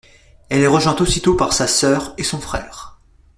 Elle est rejointe aussitôt par sa sœur et son frère.